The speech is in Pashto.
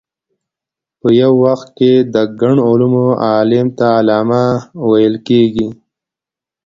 په یو وخت کې د ګڼو علومو عالم ته علامه ویل کېږي.